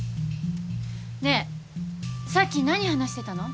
ねえさっき何話してたの？